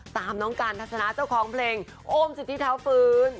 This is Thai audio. ตามน้องการทัศนาเจ้าของเพลงโอมสิทธิเท้าฟื้น